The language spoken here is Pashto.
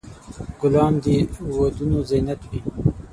ګلان د ودونو زینت وي.